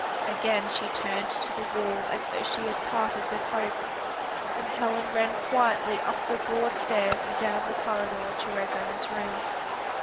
Again she turned to the wall as though she had parted with hope, and Helen ran quietly up the broad stairs and down the corridor to Rosanna's room.